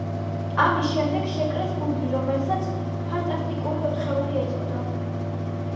ამის შემდეგ შეკრეს გუნდი, რომელსაც „ფანტასტიკური ოთხეული“ ეწოდა.